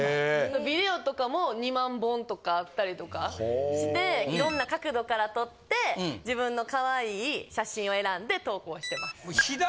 ビデオとかも２万本とかあったりとかして、いろんな角度から撮って、自分のかわいい写真を選んで、投稿してます。